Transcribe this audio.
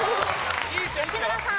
吉村さん。